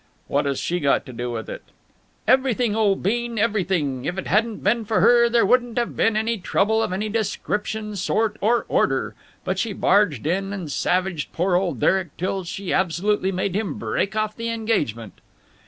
"What has she got to do with it?" "Everything, old bean, everything. If it hadn't been for her, there wouldn't have been any trouble of any description, sort, or order. But she barged in and savaged poor old Derek till she absolutely made him break off the engagement."